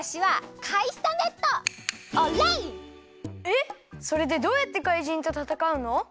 えっそれでどうやってかいじんとたたかうの？